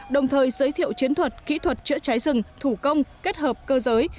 đồng thời giới thiệu chiến thuật kỹ thuật chữa cháy rừng thủ công kết hợp cơ giới